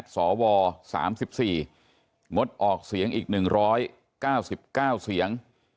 สว๓๔งดออกเสียงอีก๑๙๙เสียง